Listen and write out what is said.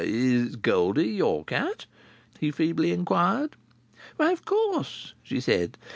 "Is Goldie your cat?" he feebly inquired. "Why, of course?" she said.